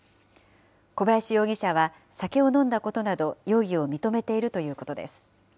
小林容疑者は酒を飲んだことなど容疑を認めているということです。